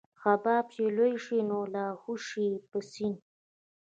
حباب چې لوى شي نو لاهو شي په سيند.